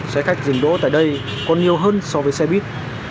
xe khách dừng đỗ tại đây còn nhiều hơn so với xe buýt